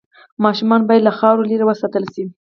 ماشومان باید له خاورو لرې وساتل شي۔